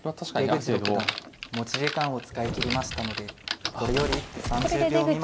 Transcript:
出口六段持ち時間を使いきりましたのでこれより一手３０秒未満。